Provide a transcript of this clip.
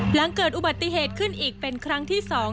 หลังเกิดอุบัติเหตุขึ้นอีกเป็นครั้งที่๒